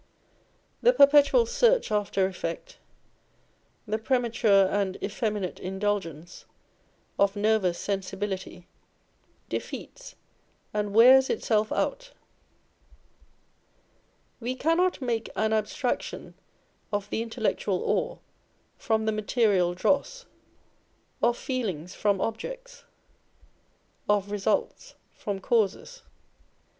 The perpetual search after effect, the premature and effeminate indulgence of nervous sensibility, defeats and wears itself out. We cannot make an abstraction of the intellectual ore from the material dross, of feelings from objects, of results from causes.